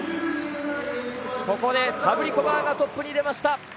ここでサブリコバーがトップに出ました。